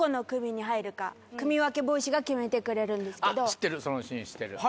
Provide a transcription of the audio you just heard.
知ってるそのシーン知ってる。